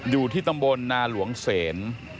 อยู่ที่ตำบลนาหลวงเสน